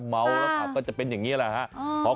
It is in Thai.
เดี๋ยวมันก็จะเป็นแบบนี้แหละครับ